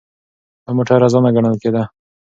دا موټر ارزانه ګڼل کېده.